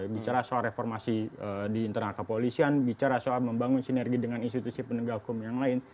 bicara soal reformasi di internal kepolisian bicara soal membangun sinergi dengan institusi penegak hukum yang lain